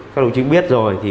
các đồng chí biết rồi